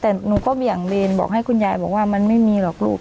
แต่หนูก็เบี่ยงเบนบอกให้คุณยายบอกว่ามันไม่มีหรอกลูก